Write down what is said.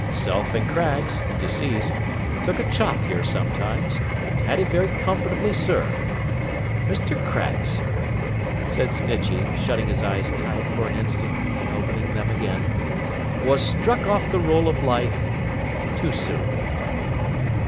Self and Craggs (deceased) took a chop here sometimes, and had it very comfortably served. Mr. Craggs, sir,' said Snitchey, shutting his eyes tight for an instant, and opening them again, 'was struck off the roll of life too soon.